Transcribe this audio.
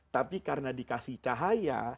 tapi karena dikasih cahaya